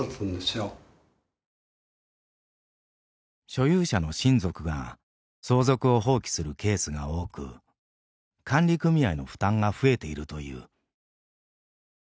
所有者の親族が相続を放棄するケースが多く管理組合の負担が増えているという。